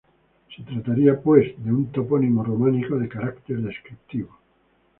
Se trataría, pues, de un topónimo románico de carácter descriptivo.